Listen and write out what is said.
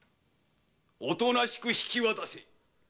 おとなしく引き渡せ。